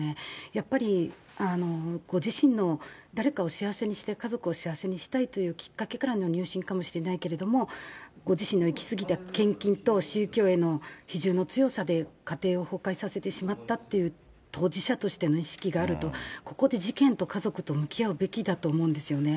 やっぱり、ご自身の誰かを幸せにしたい、家族を幸せにしたいというきっかけからの入信かもしれないけれども、ご自身の行き過ぎた献金と宗教への比重の強さで、家庭を崩壊させてしまったっていう当事者としての意識があると、ここで事件と家族と向き合うべきだと思うんですよね。